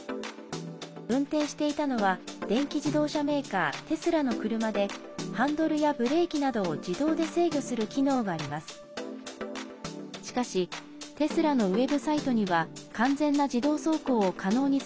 運転していたのは電気自動車メーカーテスラの車でハンドルやブレーキなどを自動で制御する機能があります。